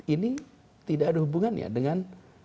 ini tidak ada hubungannya dengan